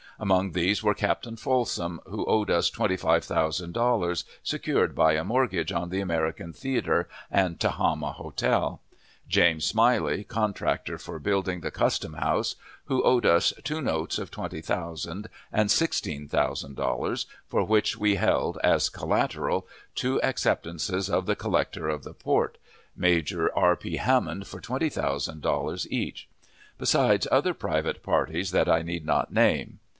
Among these were Captain Folsom, who owed us twenty five thousand dollars, secured by a mortgage on the American Theatre and Tehama Hotel; James Smiley, contractor for building the Custom House, who owed us two notes of twenty thousand and sixteen thousand dollars, for which we held, as collateral, two acceptances of the collector of the port, Major R. P. Hammond, for twenty thousand dollars each; besides other private parties that I need not name.